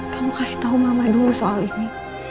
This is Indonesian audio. kamu kasih tahu mama dulu soal ini